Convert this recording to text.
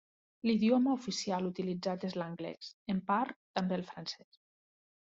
L'idioma oficial utilitzat és l'anglès, en part també el francès.